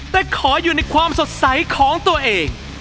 แต่ขออยู่ในความสดใสของตัวเอง